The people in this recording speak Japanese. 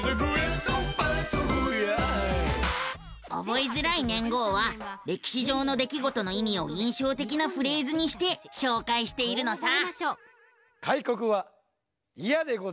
覚えづらい年号は歴史上の出来事の意味を印象的なフレーズにして紹介しているのさ。